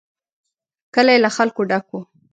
کلی له خلکو ډک و.